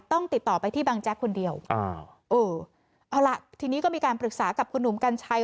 ต้องติดต่อไปที่บางแจ็คคนเดียวทีนี้ก็มีการปรึกษากับคุณหนุ่มกัญชัย